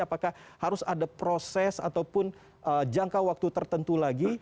apakah harus ada proses ataupun jangka waktu tertentu lagi